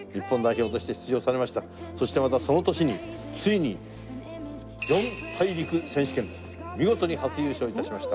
そしてまたその年についに四大陸選手権見事に初優勝致しました。